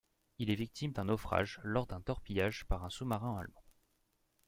Il est victime d'un naufrage lors d'un torpillage par un sous-marin allemand.